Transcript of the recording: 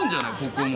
ここも。